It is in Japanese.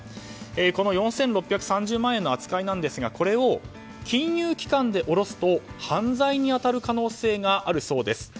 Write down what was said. この４６３０万円の扱いですがこれを金融機関で下ろすと犯罪に当たる可能性があるそうです。